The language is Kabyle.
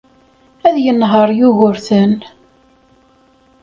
Ad yenheṛ Yugurten.